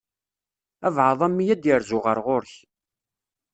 Abɛaḍ a mmi ad d-yerzu ɣer ɣur-k.